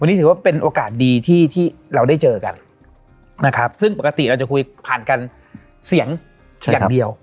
นี่ถือว่าเป็นโอกาสดีที่เราได้เจอกันนะครับซึ่งปกติเราจะคุยผ่านกันเสียงอย่างเดียว